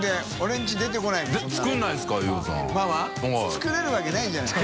作れるわけないじゃない。